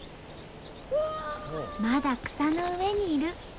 まだ草の上にいる！